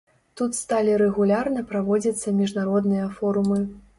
Тут сталі рэгулярна праводзіцца міжнародныя форумы.